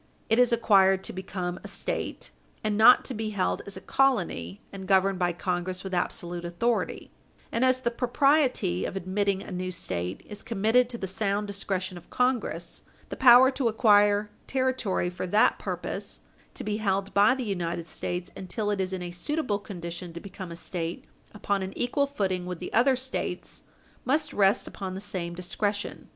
It is acquired to become a State, and not to be held as a colony and governed by Congress with absolute authority, and, as the propriety of admitting a new State is committed to the sound discretion of Congress, the power to acquire territory for that purpose, to be held by the United States until it is in a suitable condition to become a State upon an equal footing with the other States, must rest upon the same discretion.